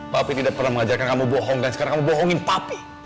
papi tidak pernah mengajarkan kamu bohong dan sekarang kamu bohongin papi